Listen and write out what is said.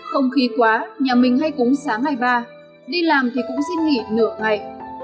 không khí quá nhà mình hay cúng sáng hay ba đi làm thì cũng xin nghỉ nửa ngày